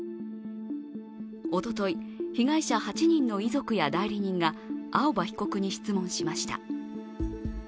おととい、被害者８人の遺族や代理人が青葉被告に質問しました。